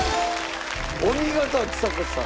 お見事ちさ子さん。